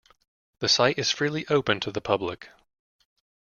The site is freely open to the public.